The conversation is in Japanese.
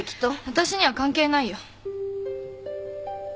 わたしには関係ないよ。